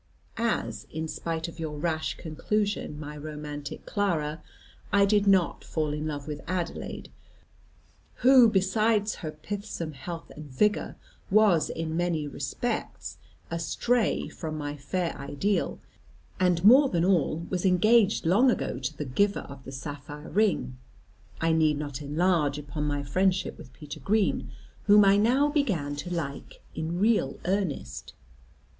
As, in spite of your rash conclusion, my romantic Clara, I did not fall in love with Adelaide, who besides her pithsome health and vigour was in many respects astray from my fair ideal, and more than all, was engaged long ago to the giver of the sapphire ring, I need not enlarge upon my friendship with Peter Green, whom I now began to like in real earnest.